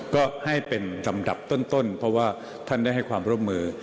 ก็ให้เป็นลำดับต้นเพราะว่าท่านได้ให้ความร่วมมือ